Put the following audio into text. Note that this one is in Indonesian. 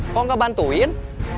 kamu gak bantuin